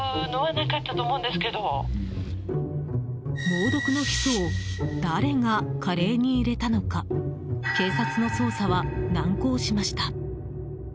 猛毒のヒ素を誰がカレーに入れたのか警察の捜査は難航しました。